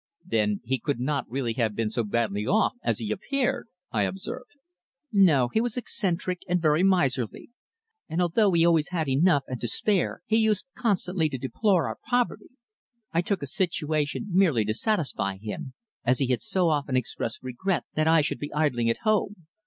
"Then he could not really have been so badly off as he appeared?" I observed. "No. He was eccentric, and very miserly, and although he always had enough and to spare he used constantly to deplore our poverty. I took a situation merely to satisfy him, as he had so often expressed regret that I should be idling at home.